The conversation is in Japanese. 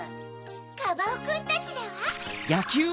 カバオくんたちだわ！